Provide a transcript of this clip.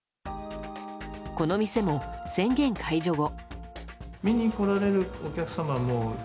この店も、宣言解除後。